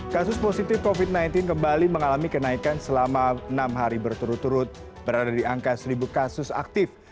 kasus positif covid sembilan belas kembali mengalami kenaikan selama enam hari berturut turut berada di angka seribu kasus aktif